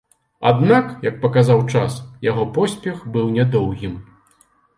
Аднак, як паказаў час, яго поспех быў нядоўгім.